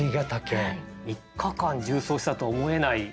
３日間縦走したとは思えない。